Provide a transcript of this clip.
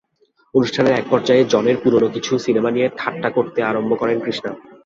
অনুষ্ঠানের একপর্যায়ে জনের পুরোনো কিছু সিনেমা নিয়ে ঠাট্টা করতে আরম্ভ করেন কৃষ্ণা।